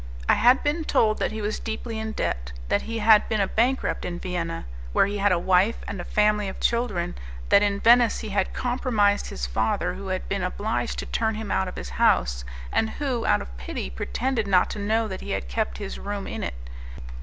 I had been told that he was deeply in debt, that he had been a bankrupt in Vienna, where he had a wife and a family of children, that in Venice he had compromised his father who had been obliged to turn him out of his house, and who, out of pity, pretended not to know that he had kept his room in it.